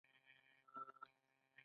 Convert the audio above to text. دې کړکیو توده هوا له کور څخه بهر ویستله.